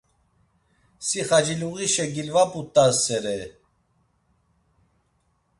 Si xaciluğişe gilvaput̆asere.